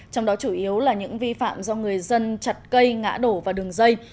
trong đó chủ yếu là những vi phạm do người dân chặt cây ngã đổ vào đường dây